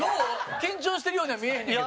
緊張してるようには見えへんねんけど。